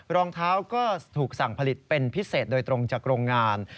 รองเท้าก็ถูกสั่งผลิตเป็นพิเศษโดยตรงจากโรงงาน